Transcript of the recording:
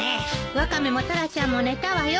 ワカメもタラちゃんも寝たわよ。